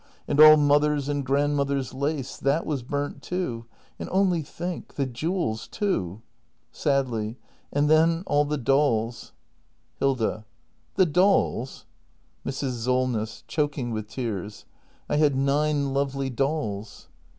And all mother's and grandmother's lace — that was burnt, too. And only think — the jewels, too! [Sadly.] And then all the dolls. 394 THE MASTER BUILDER [act in Hilda. The dolls? Mrs. Solness. [Choking with tears.] I had nine lovely dolls.